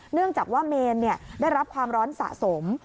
เนื่องจากว่าเมนได้รับความร้อนสะสม